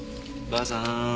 ばあさん。